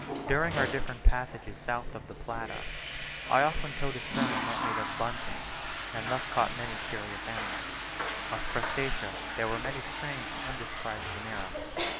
During our different passages south of the Plata, I often towed astern a net made of bunting, and thus caught many curious animals. Of Crustacea there were many strange and undescribed genera.